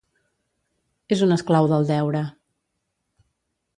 És un esclau del deure.